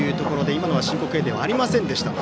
今のは申告敬遠ではありませんでした。